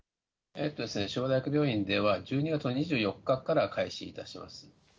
昭和大学病院では、１２月の２４日から開始いたします。